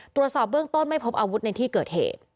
ตรวจสอบเบื้องต้นไม่พบอาวุธในที่เกิดเหตุ